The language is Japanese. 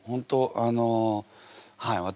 あのはい私